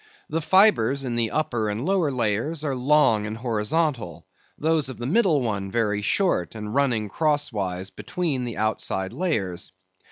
The fibres in the upper and lower layers, are long and horizontal; those of the middle one, very short, and running crosswise between the outside layers.